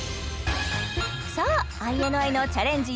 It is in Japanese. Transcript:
さあＩＮＩのチャレンジ